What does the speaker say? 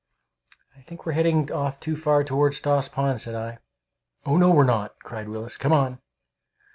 "I think we're heading off too far toward Stoss Pond," said I. "Oh no, we're not!" cried Willis. "Come on!"